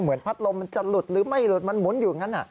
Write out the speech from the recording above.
พัดลมมันจะหลุดหรือไม่หลุดมันหมุนอยู่อย่างนั้น